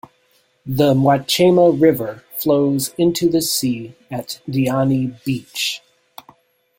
The Mwachema River flows into the sea at Diani Beach.